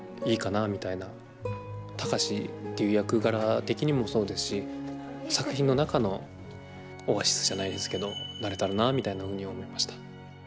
貴司っていう役柄的にもそうですし作品の中のオアシスじゃないですけどなれたらなみたいなふうに思いました。